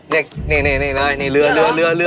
เนี่ยเรือ